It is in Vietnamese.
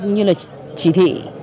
như là chỉ thị